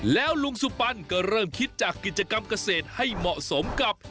แล้วลุงสุปันก็เริ่มคิดจากกิจกรรมเกษตรให้เหมาะสมกับ